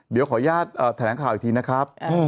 เดี๋ยวขออนุญาตแถลงข่าวอีกทีนะครับ